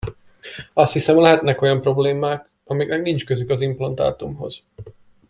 Azt hiszem lehetnek olyan problémák, amiknek nincs közük az implantátumhoz.